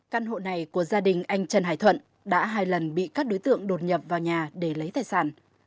căn hộ này của gia đình anh trần hải thuận đã hai lần bị các đối tượng đột nhập vào nhà để lấy tài sản